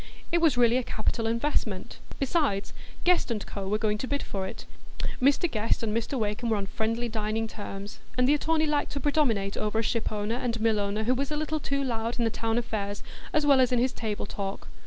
It was really a capital investment; besides, Guest &Co. were going to bid for it. Mr Guest and Mr Wakem were on friendly dining terms, and the attorney liked to predominate over a ship owner and mill owner who was a little too loud in the town affairs as well as in his table talk.